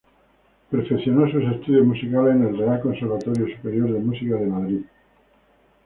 Perfeccionó sus estudios musicales en el Real Conservatorio Superior de Música de Madrid.